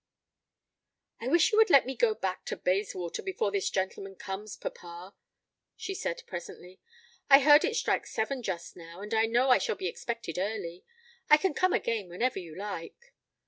"I wish you would let me go back to Bayswater before this gentleman comes, papa," she said presently. "I heard it strike seven just now, and I know I shall be expected early. I can come again whenever you like."